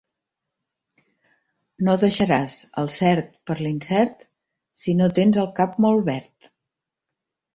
No deixaràs el cert per l'incert, si no tens el cap molt verd.